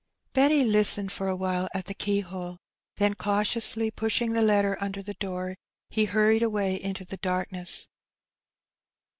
Benny listened for awhile at the key hole, then cautiously pushing the letter under the door, he hurried away into the darkness.